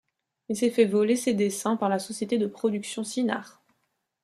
Il s’est fait voler ses dessins par la société de production Cinar.